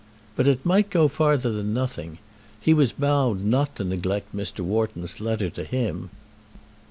But it might go farther than nothing. He was bound not to neglect Mr. Wharton's letter to him.